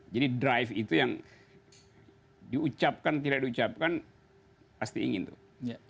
drive itu yang diucapkan tidak diucapkan pasti ingin tuh